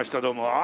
どうも。